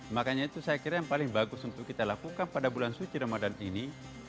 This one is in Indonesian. makanya itu saya kira yang paling bagus untuk kita lakukan pada bulan suci ramadan ini